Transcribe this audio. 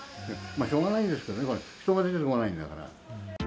しょうがないんですけどね、人が出てこないんだから。